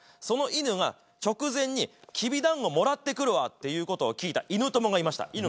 その犬が直前に「きびだんごもらってくるわ」って言う事を聞いた犬友がいました。